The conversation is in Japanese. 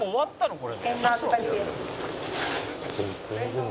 これ」